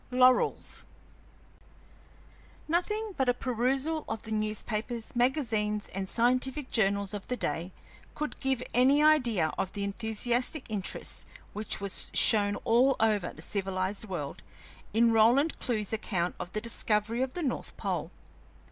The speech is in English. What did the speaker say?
LAURELS Nothing but a perusal of the newspapers, magazines, and scientific journals of the day could give any idea of the enthusiastic interest which was shown all over the civilized world in Roland Clewe's account of the discovery of the north pole.